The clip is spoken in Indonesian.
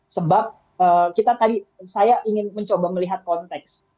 sebab kita tadi saya ingin mencoba melihat konteks